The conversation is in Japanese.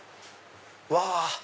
うわ！